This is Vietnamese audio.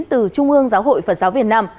từ trung ương giáo hội phật giáo việt nam